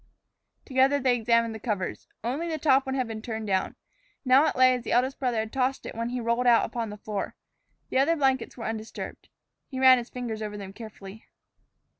Together they examined the covers. Only the top one had been turned down. Now it lay as the eldest brother had tossed it when he rolled out upon the floor. The other blankets were undisturbed. He ran his fingers over them carefully.